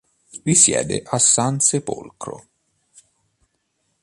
Risiede a Sansepolcro.